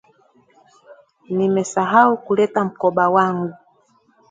Nimesahau kuleta mkoba wangu